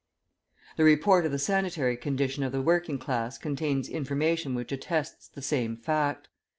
The Report on the Sanitary Condition of the Working Class contains information which attests the same fact.